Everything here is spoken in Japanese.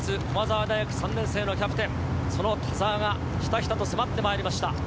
駒澤大学３年生のキャプテンその田澤がひたひたと迫ってまいりました。